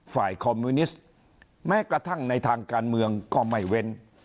คอมมิวนิสต์แม้กระทั่งในทางการเมืองก็ไม่เว้น